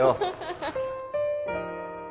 ハハハ